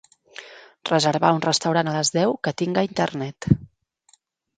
reservar un restaurant a les deu que tinga Internet